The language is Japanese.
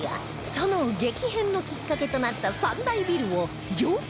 その激変のきっかけとなった３大ビルを上空から視察